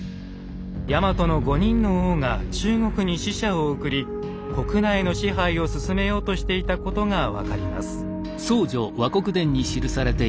ヤマトの５人の王が中国に使者を送り国内の支配を進めようとしていたことが分かります。